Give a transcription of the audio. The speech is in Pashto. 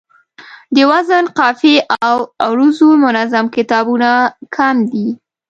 د وزن، قافیې او عروضو منظم کتابونه کم دي